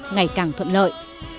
ngày càng thuận lợi